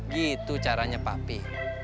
gitu caranya papi